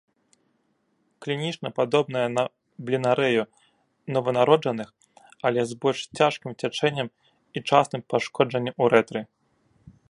Клінічна падобная на бленарэю нованароджаных, але з больш цяжкім цячэннем і частым пашкоджаннем урэтры.